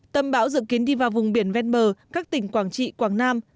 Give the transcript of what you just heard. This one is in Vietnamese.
tâm bão dự kiến đi vào vùng biển ven bờ các tỉnh quảng trị quảng nam